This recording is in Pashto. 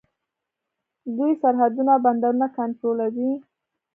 دوی سرحدونه او بندرونه کنټرولوي.